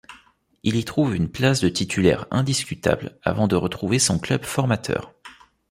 Il y trouve une place de titulaire indiscutable avant de retrouver son club formateur.